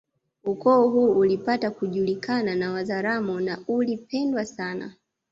Ukoo huu ulipata kujulikana na Wazaramo na uli pendwa sana